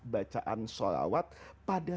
bacaan sholawat pada